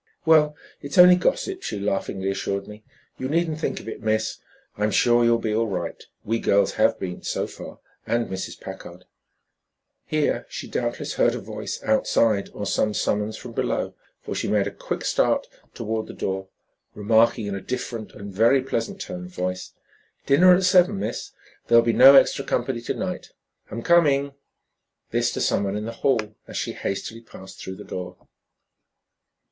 "Well, it's only gossip," she laughingly assured me. "You needn't think of it, Miss. I'm sure you'll be all right. We girls have been, so far, and Mrs. Packard " Here she doubtless heard a voice outside or some summons from below, for she made a quick start toward the door, remarking in a different and very pleasant tone of voice: "Dinner at seven, Miss. There'll be no extra company to night. I'm coming." This to some one in the hall as she hastily passed through the door.